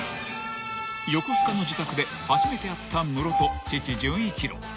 ［横須賀の自宅で初めて会ったムロと父純一郎］